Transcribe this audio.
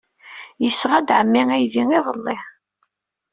Yesɣa-d ɛemmi aydi iḍelli.